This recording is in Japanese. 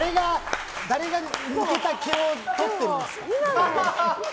誰が抜けた毛をとってるんですか。